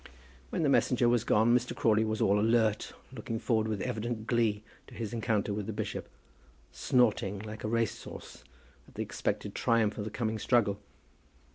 When the messenger was gone, Mr. Crawley was all alert, looking forward with evident glee to his encounter with the bishop, snorting like a racehorse at the expected triumph of the coming struggle.